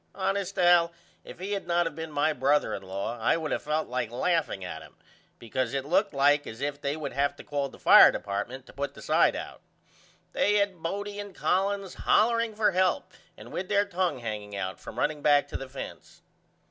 Honest Al if he had not of been my brother in law I would of felt like laughing at him because it looked like as if they would have to call the fire department to put the side out. They had Bodie and Collins hollering for help and with there tongue hanging out from running back to the fence.